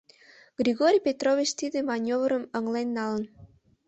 Григорий Петрович тиде манёврым ыҥылен налын.